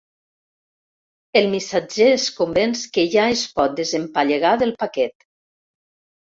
El missatger es convenç que ja es pot desempallegar del paquet.